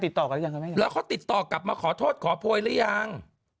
อืมแล้วเขาติดต่อกลับมาขอโทษขอโพยหรือยัง